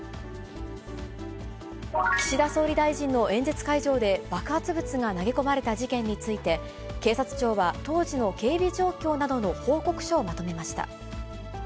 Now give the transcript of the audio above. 岸田総理大臣の演説会場で爆発物が投げ込まれた事件について、警察庁は、当時の警備状況などの報告書をまとめました。